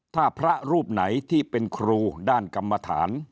ถ้าพระรูปไหนที่เป็นครูด้านกรรมฐาน